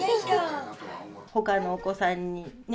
他のお子さんにね